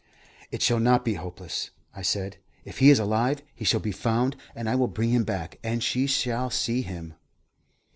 "It shall not be hopeless," I said. "If he is alive, he shall be found, and I will bring him back, and she shall see him."